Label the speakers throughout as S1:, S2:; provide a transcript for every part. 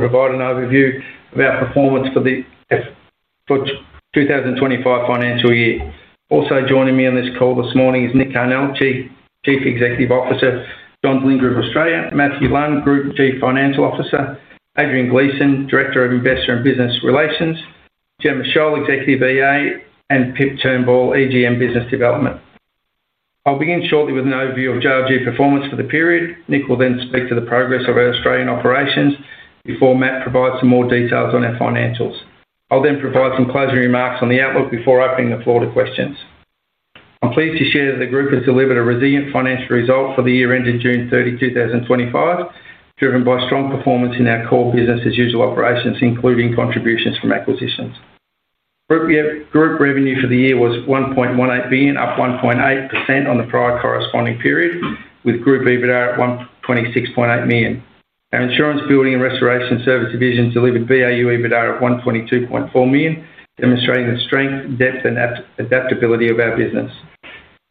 S1: Regarding our review of our performance for the FY 2025 financial year, also joining me on this call this morning is Nick Carnell, Chief Executive Officer, Johns Lyng Group Australia, Matthew Lunn, Group Chief Financial Officer, Adrian Gleeson, Director of Investor and Business Relations, Gemma Sholl, Executive EA, and Pip Turnbull, AGM Business Development. I'll begin shortly with an overview of JLG performance for the period. Nick will then speak to the progress of our Australian operations before Matt provides some more details on our financials. I'll then provide some closing remarks on the outlook before opening the floor to questions. I'm pleased to share that the group has delivered a resilient financial result for the year ended June 30, 2025, driven by strong performance in our core business as usual operations, including contributions from acquisitions. Group revenue for the year was $1.18 billion, up 1.8% on the prior corresponding period, with Group EBITDA at $126.8 million. Our Insurance Building and Restoration Services division delivered BAU EBITDA at $122.4 million, demonstrating the strength, depth, and adaptability of our business.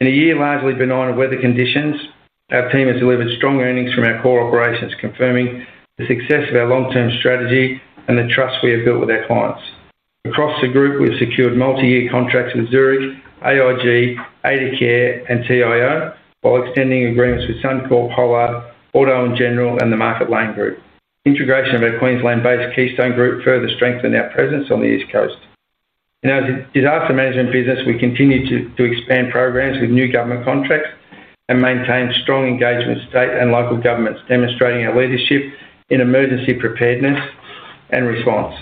S1: In a year largely benign of weather conditions, our team has delivered strong earnings from our core operations, confirming the success of our long-term strategy and the trust we have built with our clients. Across the group, we've secured multi-year contracts with Zurich, AIG, Aidacare, and TIO, while extending agreements with Suncorp, Hollard, Auto & General, and the Market Lane Group. Integration of our Queensland-based Keystone Group further strengthened our presence on the East Coast. In our disaster management business, we continue to expand programs with new government contracts and maintain strong engagement with state and local governments, demonstrating our leadership in emergency preparedness and response.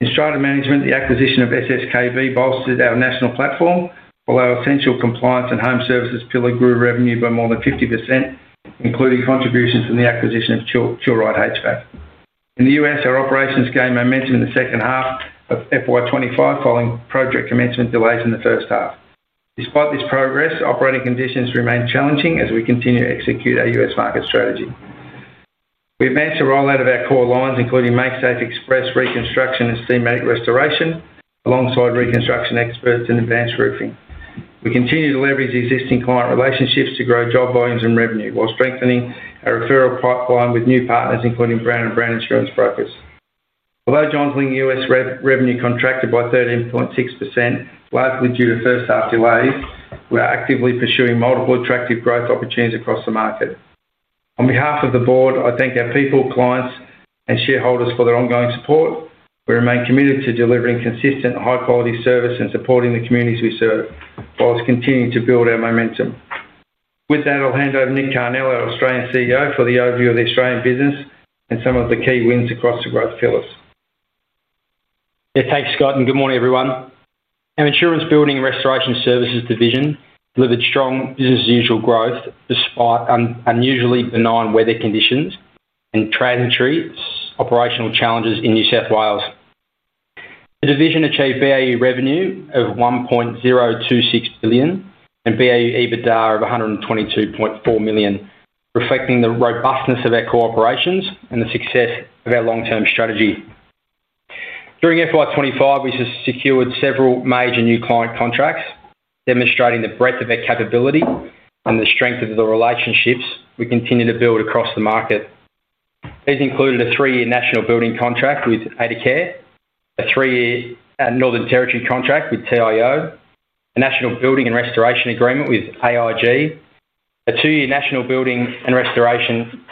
S1: In strata management, the acquisition of SSKB bolstered our national platform, while our essential compliance and home services pillar grew revenue by more than 50%, including contributions from the acquisition of Chill-Rite HVAC. In the U.S., our operations gained momentum in the second half of FY 2025 following project commencement delays in the first half. Despite this progress, operating conditions remain challenging as we continue to execute our U.S. market strategy. We've managed to roll out our core lines, including Makesafe Express Reconstruction and Steam Mate Restoration, alongside reconstruction experts in advanced roofing. We continue to leverage existing client relationships to grow job volumes and revenue, while strengthening our referral pipeline with new partners, including Brown & Brown Insurance Brokers. Although Johns Lyng U.S. revenue contracted by 13.6%, largely due to first half delays, we are actively pursuing multiple attractive growth opportunities across the market. On behalf of the board, I thank our people, clients, and shareholders for their ongoing support. We remain committed to delivering consistent, high-quality service and supporting the communities we serve, whilst continuing to build our momentum. With that, I'll hand over to Nick Carnell, our Australian CEO, for the overview of the Australian business and some of the key wins across the growth pillars.
S2: Thanks, Scott, and good morning, everyone. Our Insurance Building and Restoration Services division delivered strong business as usual growth despite unusually benign weather conditions and challenging operational challenges in New South Wales. The division achieved BAU revenue of $1.026 billion and BAU EBITDA of $122.4 million, reflecting the robustness of our core operations and the success of our long-term strategy. During FY 2025, we secured several major new client contracts, demonstrating the breadth of our capability and the strength of the relationships we continue to build across the market. These included a three-year national building contract with Aidacare, a three-year Northern Territory contract with TIO, a national building and restoration agreement with AIG, and a two-year national building and restoration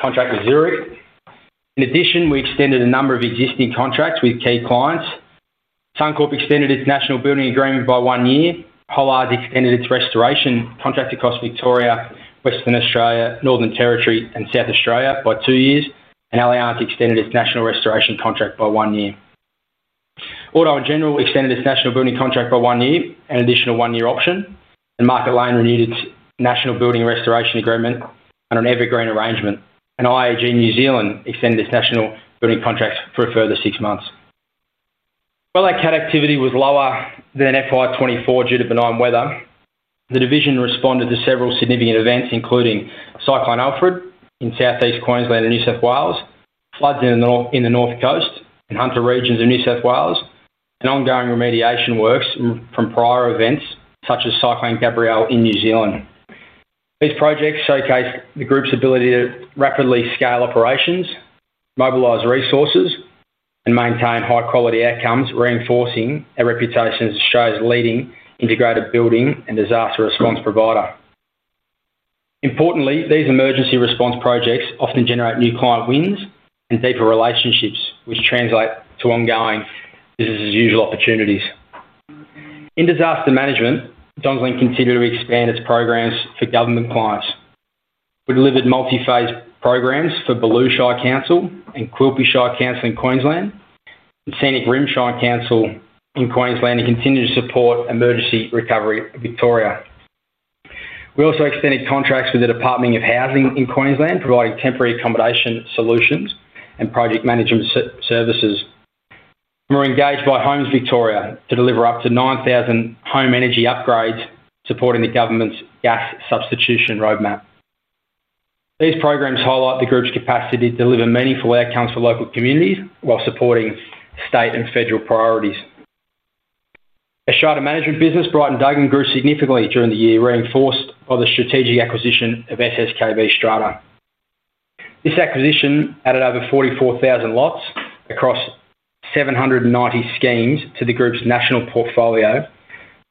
S2: contract with Zurich. In addition, we extended a number of existing contracts with key clients. Suncorp extended its national building agreement by one year, Hollard extended its restoration contract across Victoria, Western Australia, Northern Territory, and South Australia by two years, and Allianz extended its national restoration contract by one year. Auto & General extended its national building contract by one year, with an additional one-year option, and Market Lane Group renewed its national building and restoration agreement on an evergreen arrangement. IAG New Zealand extended its national building contracts for a further six months. While our CAT activity was lower than FY 2024 due to benign weather, the division responded to several significant events, including Cyclone Alfred in southeast Queensland and New South Wales, floods in the North Coast and Hunter regions of New South Wales, and ongoing remediation works from prior events such as Cyclone Gabrielle in New Zealand. These projects showcase the group's ability to rapidly scale operations, mobilize resources, and maintain high-quality outcomes, reinforcing our reputation as Australia's leading integrated building and disaster response provider. Importantly, these emergency response projects often generate new client wins and deeper relationships, which translate to ongoing business as usual opportunities. In disaster management, Johns Lyng continues to expand its programs for government clients. We delivered multi-phased programs for Balonne Shire Council and Quilpie Shire Council in Queensland, and Scenic Rim Shire Council in Queensland, and continue to support emergency recovery in Victoria. We also extended contracts with the Department of Housing in Queensland, providing temporary accommodation solutions and project management services. We're engaged by Homes Victoria to deliver up to 9,000 home energy upgrades, supporting the government's gas substitution roadmap. These programs highlight the group's capacity to deliver meaningful outcomes for local communities while supporting state and federal priorities. Our strata management business, Bright & Duggan, grew significantly during the year, reinforced by the strategic acquisition of SSKB. This acquisition added over 44,000 lots across 790 schemes to the group's national portfolio,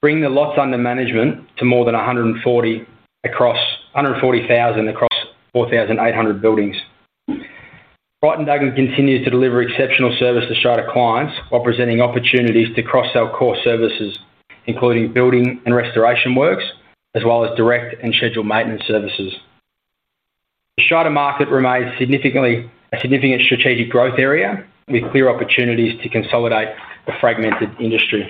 S2: bringing the lots under management to more than 140,000 across 4,800 buildings. Bright & Duggan continues to deliver exceptional service to strata clients while presenting opportunities to cross-sell core services, including building and restoration works, as well as direct and scheduled maintenance services. The strata market remains a significant strategic growth area with clear opportunities to consolidate a fragmented industry.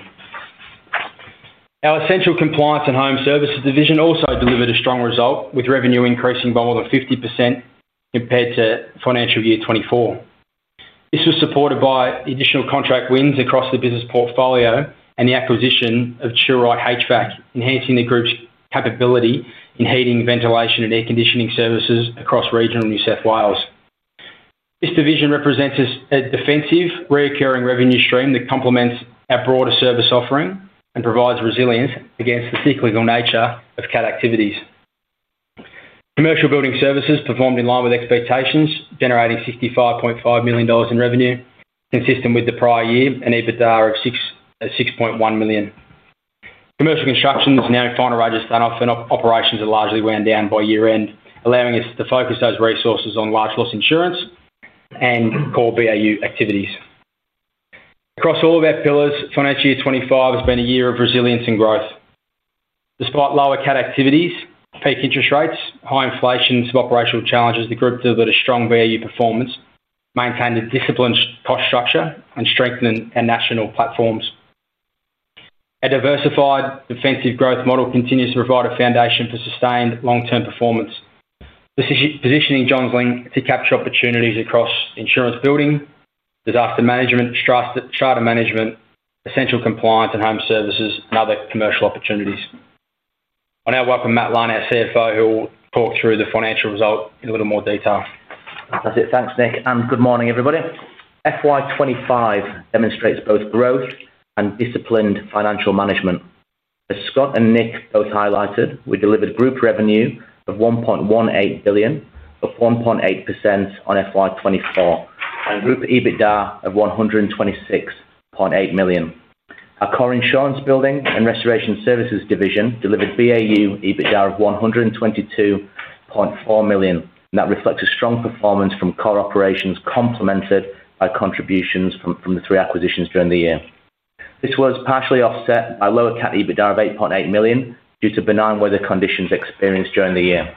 S2: Our essential compliance and home services division also delivered a strong result, with revenue increasing by more than 50% compared to financial year 2024. This was supported by additional contract wins across the business portfolio and the acquisition of Chill-Rite HVAC, enhancing the group's capability in heating, ventilation, and air conditioning services across regional New South Wales. This division represents a defensive, recurring revenue stream that complements our broader service offering and provides resilience against the cyclical nature of CAT activities. Commercial Building Services performed in line with expectations, generating $65.5 million in revenue, consistent with the prior year, and EBITDA of $6.1 million. Commercial Construction is now in final stage of startup, and operations are largely wound down by year-end, allowing us to focus those resources on large loss insurance and core BAU activities. Across all of our pillars, financial year 2025 has been a year of resilience and growth. Despite lower CAT activities, peak interest rates, high inflation, and some operational challenges, the group delivered a strong BAU performance, maintained a disciplined cost structure, and strengthened our national platforms. Our diversified defensive growth model continues to provide a foundation for sustained long-term performance, positioning Johns Lyng to capture opportunities across insurance building, disaster management, strata management, essential compliance and home services, and other commercial opportunities. I'll now welcome Matthew Lunn, our CFO, who will talk through the financial result in a little more detail.
S3: Thanks, Nick, and good morning, everybody. FY 2025 demonstrates both growth and disciplined financial management. As Scott and Nick both highlighted, we delivered a group revenue of $1.18 billion, up 1.8% on FY 2024, and a group EBITDA of $126.8 million. Our core insurance, building, and restoration services division delivered BAU EBITDA of $122.4 million, and that reflects a strong performance from core operations, complemented by contributions from the three acquisitions during the year. This was partially offset by a lower CAT EBITDA of $8.8 million due to benign weather conditions experienced during the year.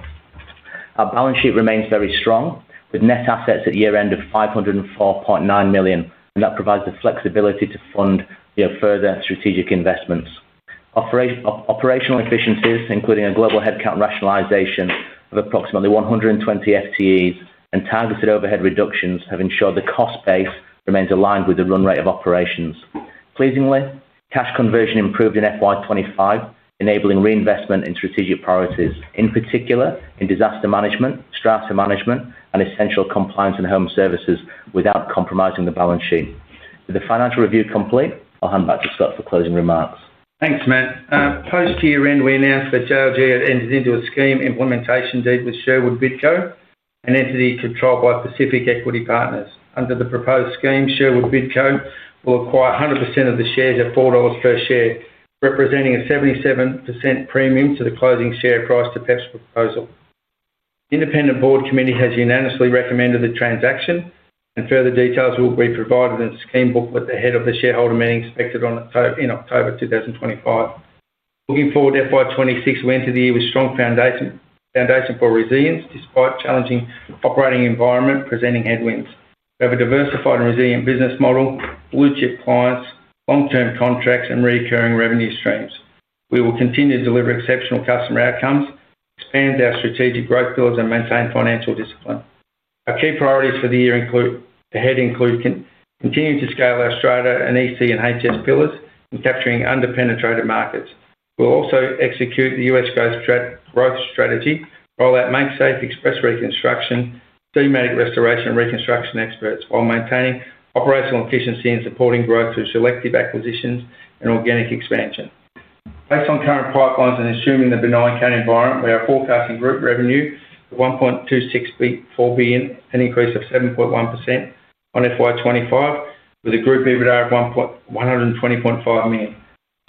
S3: Our balance sheet remains very strong, with net assets at year-end of $504.9 million, and that provides the flexibility to fund further strategic investments. Operational efficiencies, including a global headcount rationalization of approximately 120 FTE and targeted overhead reductions, have ensured the cost base remains aligned with the run rate of operations. Pleasingly, cash conversion improved in FY 2025, enabling reinvestment in strategic priorities, in particular in disaster management, strata management, and essential compliance and home services without compromising the balance sheet. With the financial review complete, I'll hand back to Scott for closing remarks.
S1: Thanks, Matt. Closer to year-end, we announced that JLG entered into a scheme implementation deed with Sherwood Bidco, an entity controlled by Pacific Equity Partners. Under the proposed scheme, Sherwood Bidco will acquire 100% of the shares at $4 per share, representing a 77% premium to the closing share price to PEP's proposal. The independent board committee has unanimously recommended the transaction, and further details will be provided in the scheme booklet ahead of the shareholder meeting expected in October 2025. Looking forward to FY 2026, we enter the year with a strong foundation for resilience despite a challenging operating environment presenting headwinds. We have a diversified and resilient business model, leadership clients, long-term contracts, and recurring revenue streams. We will continue to deliver exceptional customer outcomes, expand our strategic growth pillars, and maintain financial discipline. Our key priorities for the year ahead include continuing to scale our strata and EC&H pillars and capturing underpenetrated markets. We'll also execute the U.S. growth strategy, roll out Makestate Express Reconstruction, Steam Mate Restoration and Reconstruction Experts, while maintaining operational efficiency and supporting growth through selective acquisitions and organic expansion. Based on current pipelines and assuming the benign CAT environment, we are forecasting group revenue of $1.264 billion, an increase of 7.1% on FY 2025, with a group EBITDA of $120.5 million,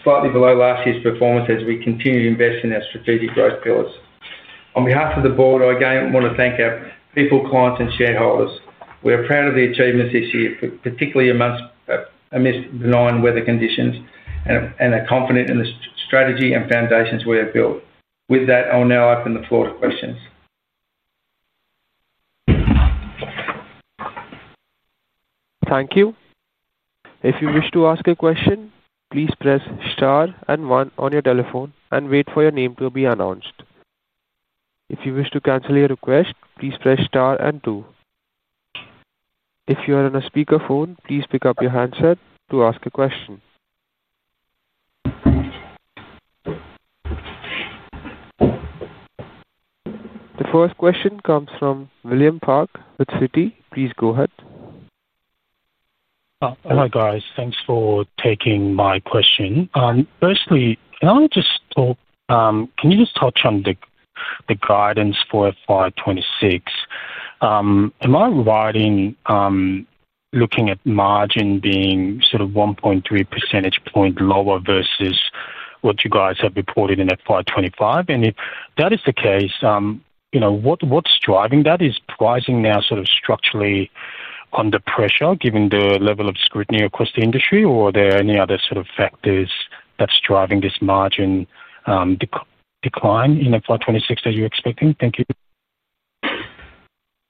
S1: slightly below last year's performance as we continue to invest in our strategic growth pillars. On behalf of the board, I again want to thank our people, clients, and shareholders. We are proud of the achievements this year, particularly amidst benign weather conditions, and are confident in the strategy and foundations we have built. With that, I will now open the floor to questions.
S4: Thank you. If you wish to ask a question, please press star and one on your telephone and wait for your name to be announced. If you wish to cancel your request, please press star and two. If you are on a speakerphone, please pick up your handset to ask a question. The first question comes from William Park with Citi. Please go ahead.
S5: Hi, guys. Thanks for taking my question. Firstly, can you just touch on the guidance for FY 2026? Am I right in looking at margin being sort of 1.3% lower versus what you guys have reported in FY 2025? If that is the case, what's driving that? Is pricing now sort of structurally under pressure given the level of scrutiny across the industry, or are there any other factors that's driving this margin decline in FY 2026 as you're expecting? Thank you.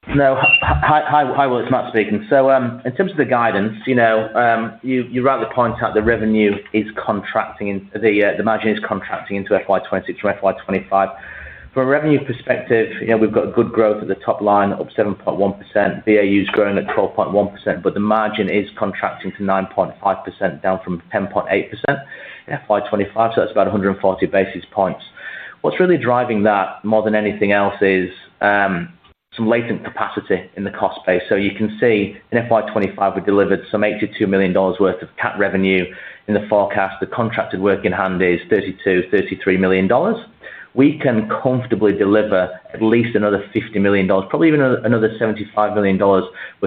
S3: Hi, hi Will. It's Matt speaking. In terms of the guidance, you rightly point out the revenue is contracting, the margin is contracting into FY 2026 from FY 2025. From a revenue perspective, we've got good growth at the top line, up 7.1%. BAU's grown at 12.1%, but the margin is contracting to 9.5%, down from 10.8% in FY 2025. That's about 140 basis points. What's really driving that more than anything else is some latent capacity in the cost base. In FY 2025, we delivered some $82 million worth of CAT revenue. In the forecast, the contracted work in hand is $32-33 million. We can comfortably deliver at least another $50 million, probably even another $75 million worth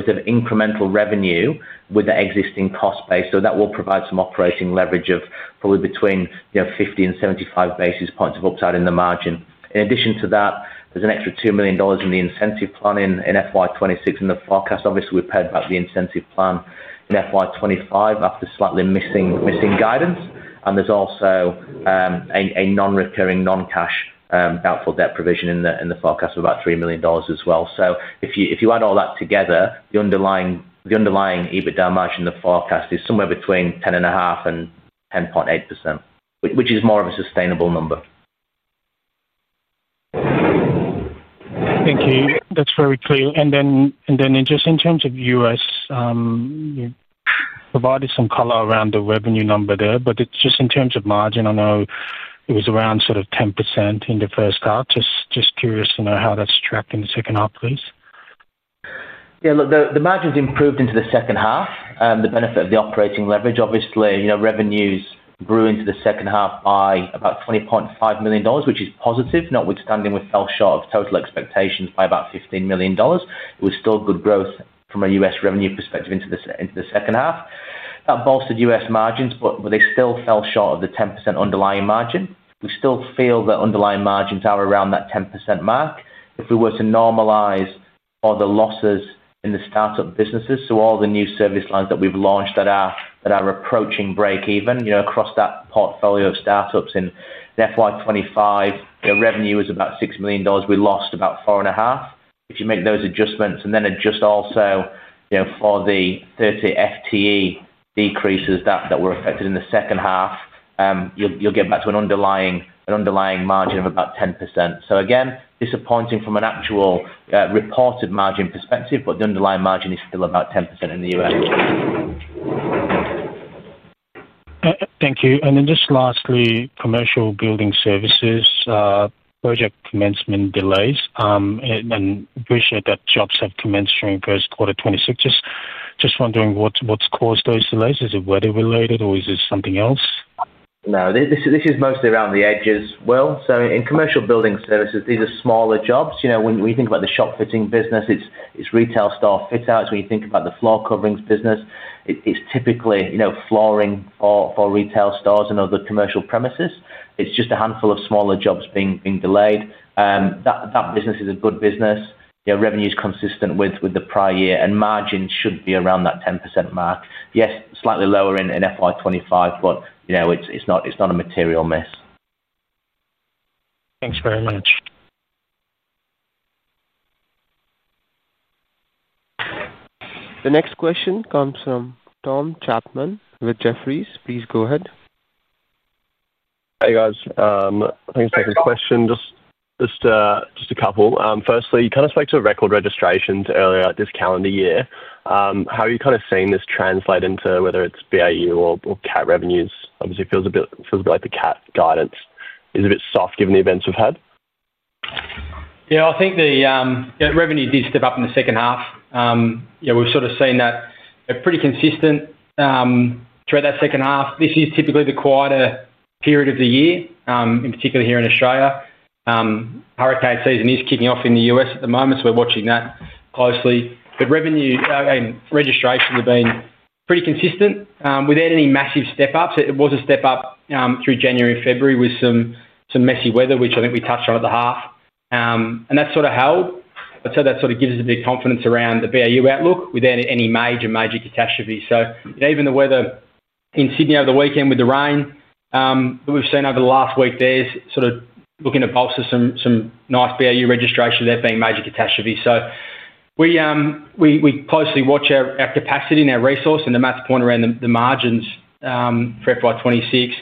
S3: of incremental revenue with the existing cost base. That will provide some operating leverage of probably between 50 and 75 basis points of upside in the margin. In addition to that, there's an extra $2 million in the incentive plan in FY 2026. In the forecast, obviously, we've heard about the incentive plan in FY 2025 after slightly missing guidance. There's also a non-recurring, non-cash doubtful debt provision in the forecast of about $3 million as well. If you add all that together, the underlying EBITDA margin in the forecast is somewhere between 10.5% and 10.8%, which is more of a sustainable number.
S5: Thank you. That's very clear. In terms of U.S., you provided some color around the revenue number there, but just in terms of margin, I know it was around 10% in the first half. Just curious, you know how that's tracked in the second half, please.
S3: Yeah, look, the margin's improved into the second half. The benefit of the operating leverage, obviously, you know, revenues grew into the second half by about $20.5 million, which is positive, notwithstanding we fell short of total expectations by about $15 million. It was still good growth from a U.S. revenue perspective into the second half. That bolstered U.S. margins, but they still fell short of the 10% underlying margin. We still feel the underlying margins are around that 10% mark. If we were to normalize all the losses in the startup businesses, so all the new service lines that we've launched that are approaching break-even, you know, across that portfolio of startups in FY 2025, revenue is about $6 million. We lost about $4.5 million. If you make those adjustments and then adjust also, you know, for the 30 FTE decreases that were effected in the second half, you'll get back to an underlying margin of about 10%. Again, disappointing from an actual reported margin perspective, but the underlying margin is still about 10% in the U.S.
S5: Thank you. Lastly, commercial building services, project commencement delays, I appreciate that jobs have commenced during first quarter 2026. I'm just wondering what's caused those delays. Is it weather-related or is it something else?
S3: No, this is mostly around the edges. In commercial building services, these are smaller jobs. You know, when you think about the shop fitting business, it's retail staff fit-outs. When you think about the floor coverings business, it's typically, you know, flooring for retail stores and other commercial premises. It's just a handful of smaller jobs being delayed. That business is a good business. Revenue is consistent with the prior year, and margins should be around that 10% mark. Yes, slightly lower in FY 2025, but you know it's not a material miss.
S5: Thanks very much.
S4: The next question comes from Tom Chapman with Jefferies. Please go ahead.
S6: Hey guys, thanks for taking the question. Just a couple. Firstly, you kind of spoke to a record registration earlier this calendar year. How are you kind of seeing this translate into whether it's BAU or CAT revenues? Obviously, it feels a bit like the CAT guidance is a bit soft given the events we've had.
S2: Yeah, I think the revenue did step up in the second half. We've sort of seen that pretty consistent throughout that second half. This is typically the quieter period of the year, in particular here in Australia. Hurricane season is kicking off in the U.S. at the moment, so we're watching that closely. Revenue, I mean, registrations have been pretty consistent without any massive step-ups. It was a step-up through January and February with some messy weather, which I think we touched on at the half, and that's sort of held. I'd say that sort of gives us a bit of confidence around the BAU outlook without any major, major catastrophe. Even the weather in Sydney over the weekend with the rain that we've seen over the last week, there's sort of looking to bolster some nice BAU registration without being a major catastrophe. We closely watch our capacity and our resource, and to Matt's point around the margins for FY 2026,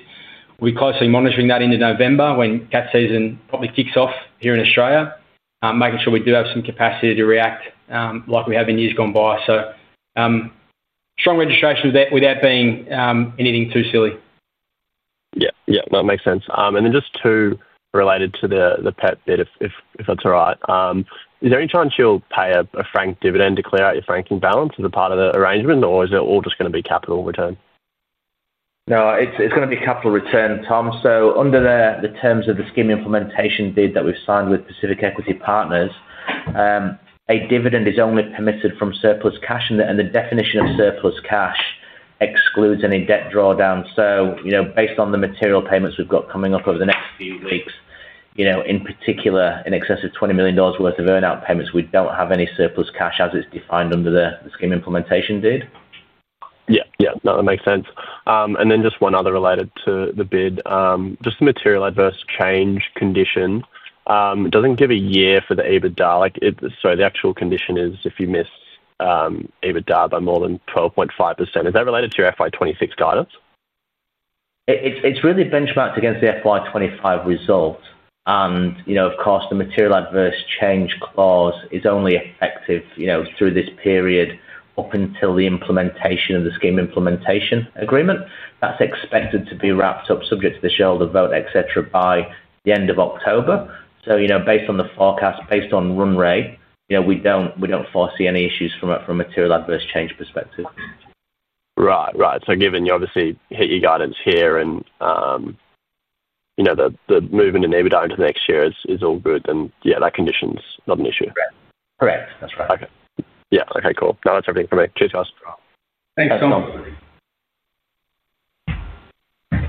S2: we'll be closely monitoring that into November when CAT season probably kicks off here in Australia, making sure we do have some capacity to react like we have in years gone by. Strong registration without being anything too silly.
S6: Yeah, yeah, that makes sense. Just to relate it to the PEP bid, if that's all right, is there any chance you'll pay a franked dividend to clear out your franking balance as a part of the arrangement, or is it all just going to be capital return?
S3: No, it's going to be capital return, Tom. Under the terms of the scheme implementation deed that we've signed with Pacific Equity Partners, a dividend is only permitted from surplus cash, and the definition of surplus cash excludes any debt drawdown. Based on the material payments we've got coming up over the next few weeks, in particular in excess of $20 million worth of earnout payments, we don't have any surplus cash as it's defined under the scheme implementation deed.
S6: Yeah, yeah, no, that makes sense. Just one other related to the bid, the material adverse change condition, it doesn't give a year for the EBITDA. The actual condition is if you miss EBITDA by more than 12.5%. Is that related to your FY 2026 guidance?
S3: It's really benchmarked against the FY 2025 result. You know, of course, the material adverse change clause is only effective through this period up until the implementation of the scheme implementation deed. That's expected to be wrapped up, subject to the shareholder vote, by the end of October. You know, based on the forecast, based on run rate, we don't foresee any issues from a material adverse change perspective.
S6: Right. Given you obviously hit your guidance here and you know the movement in EBITDA into the next year is all good, that condition's not an issue.
S3: Correct, correct, that's right.
S6: Okay, yeah, okay, cool. No, that's everything for me. Cheers, guys.
S3: Thanks, Tom.
S6: Thanks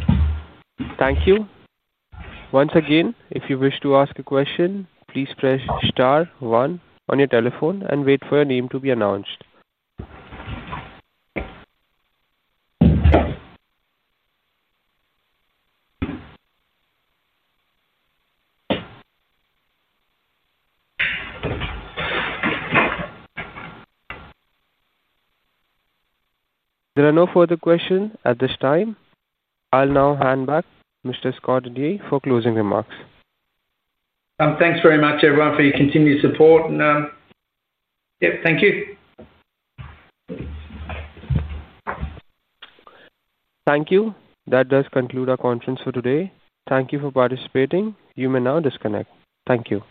S6: so much.
S4: Thank you. Once again, if you wish to ask a question, please press star one on your telephone and wait for your name to be announced. There are no further questions at this time. I'll now hand back to Mr. Scott Didier for closing remarks.
S1: Thanks very much, everyone, for your continued support. Thank you.
S4: Thank you. That does conclude our conference for today. Thank you for participating. You may now disconnect. Thank you.